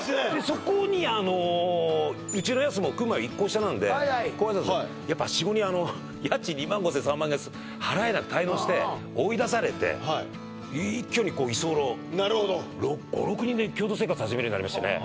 そこにあのウチのやすも組む前１個下なんでやっぱ４５人あの家賃２万５千３万払えなくて滞納して追い出されて一挙にこう居候なるほど５６人で共同生活始めるようになりましてね